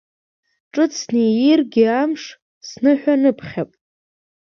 Ҿыцны ииргьы амш, сныҳәаныԥхьап…